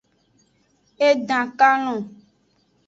E dan kalon.